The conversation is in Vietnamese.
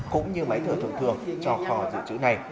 cũng như máy thở thông thường cho kho dự trữ này